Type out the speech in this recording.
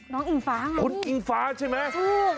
คุณอิงฟ้าหรอนี่ถูกต้องคุณอิงฟ้าใช่ไหม